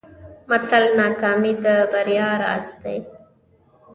متل: ناکامي د بریا راز دی.